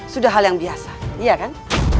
sudah hal yang biasa iya kan